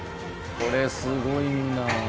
これすごいんだよな。